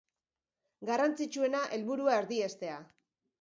Garrantzitsuena, helburua erdiestea.